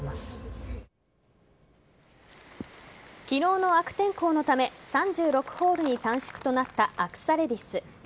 昨日の悪天候のため３６ホールに短縮となったアクサレディス。